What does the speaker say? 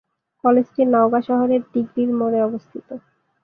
কলেজটি নওগাঁ শহরের ডিগ্রির মোড়ে অবস্থিত।